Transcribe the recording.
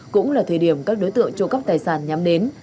cũng là thời điểm các đối tượng trộm cắp tài sản nhắm đến